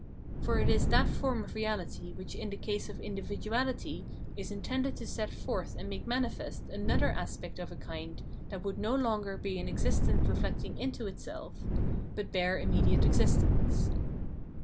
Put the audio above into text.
For it is that form of reahty which in the case of individuahty is intended to set forth and make manifest another aspect of a kind that would no longer be an existence reflecting itself into itself, but bare immediate existence.